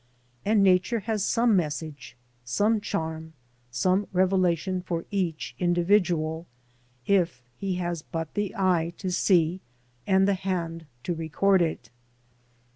And Nature has some message, some charm, some revelation for each individual, if he has but the eye to see and the hand to record it.